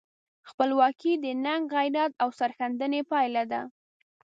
خپلواکي د ننګ، غیرت او سرښندنې پایله ده.